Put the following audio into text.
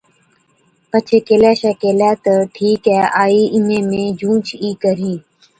پڇي ڪيلاشَي ڪيهلَي تہ، ’ٺِيڪَي آئِي اِمهين مين جھُونچ ئِي ڪرهِي‘۔